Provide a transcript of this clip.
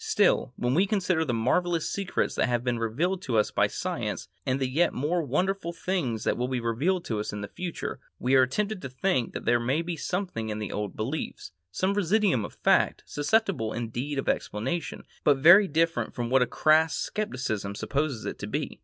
Still, when we consider the marvellous secrets that have been revealed to us by science and the yet more wonderful things that will be revealed to us in the future, we are tempted to think that there may be something in the old beliefs, some residuum of fact, susceptible indeed of explanation, but very different from what a crass scepticism supposes it to be.